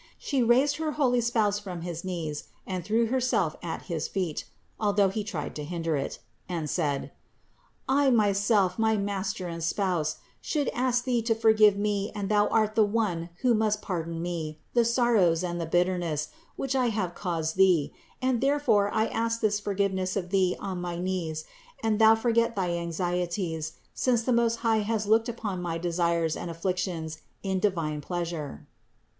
She raised her holy spouse from his knees and threw Herself at his feet (although he tried to hinder it), and said: "I my self, my master and spouse, should ask thee to forgive me and thou art the one who must pardon me the sorrows and the bitterness, which I have caused thee ; and there fore I ask this forgiveness of thee on my knees, and that thou forget thy anxieties, since the Most High has looked upon my desires and afflictions in divine pleasure."